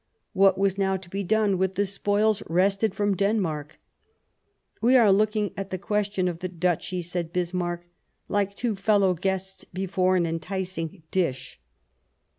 What was now to be done with the spoils wrested from Denmark ?" We are looking at the question of the Duchies," said Bismarck, " like two fellow guests before an enticing dish."